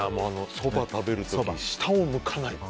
そば食べる時、下を向かない。